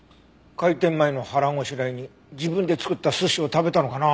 開店前の腹ごしらえに自分で作った寿司を食べたのかな。